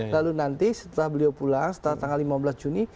lalu nanti setelah beliau pulang setelah tanggal lima belas juni